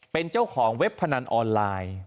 เป็นเจ้าของเว็บพนันออนไลน์